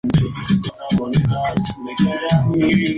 La reserva es parte del Real Sitio de Sandringham.